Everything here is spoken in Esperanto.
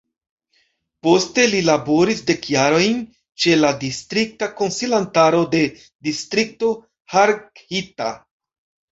Poste li laboris dek jarojn ĉe la distrikta konsilantaro de Distrikto Harghita.